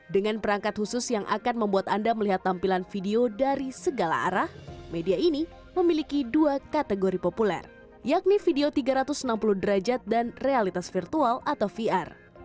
dengan perangkat khusus yang akan membuat anda melihat tampilan video dari segala arah media ini memiliki dua kategori populer yakni video tiga ratus enam puluh derajat dan realitas virtual atau vr